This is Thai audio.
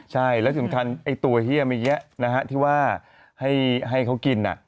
ใช่แล้วสิ่งสำคัญตัวเหี้ยมอย่างนี้ที่ว่าให้เขากินน่ะ